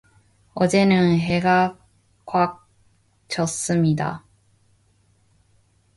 이제는 해가 꽉 졌습니다.